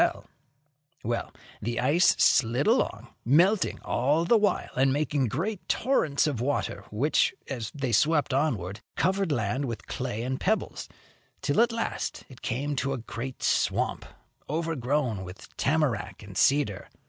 Well, the ice slid along, melting all the while, and making great torrents of water which, as they swept onward, covered land with clay and pebbles, till at last it came to a great swamp, overgrown with tamarac and cedar.